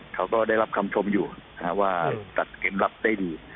เขาก็ได้รับคำชมอยู่ว่าตัดเกมรับได้ดี